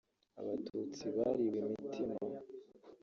Abatutsi bariwe imitima